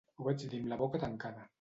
Ho vaig dir amb la boca tancada.